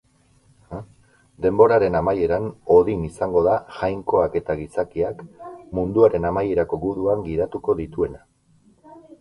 Denboraren amaieran, Odin izango da jainkoak eta gizakiak, munduaren amaierako guduan gidatuko dituena.